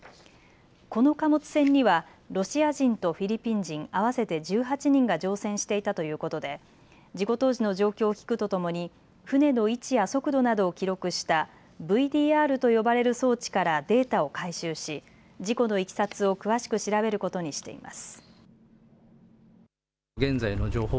この貨物船にはロシア人とフィリピン人合わせて１８人が乗船していたということで事故当時の状況を聞くとともに船の位置や速度などを記録したＶＤＲと呼ばれる装置からデータを回収し事故のいきさつを詳しく調べることにしています。